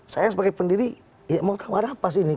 saya sebagai pendiri mau tahu ada apa sih